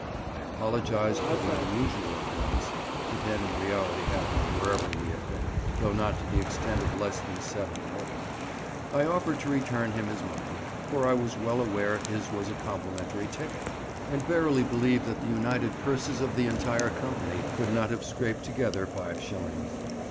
I apologised for the unusual occurrence (it had in reality happened wherever we had been, though not to the extent of less than seven or eight); I offered to return him his money, for I was well aware his was a complimentary ticket, and verily believe that the united purses of the entire company could not have scraped together five shillings.